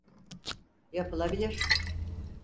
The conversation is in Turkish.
Yapılabilir.